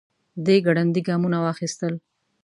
دی ګړندي ګامونه واخيستل.